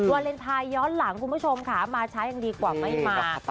วาเลนไทยย้อนหลังคุณผู้ชมค่ะมาช้ายังดีกว่าไม่มา